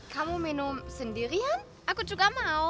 kamu minum sendirian aku juga mau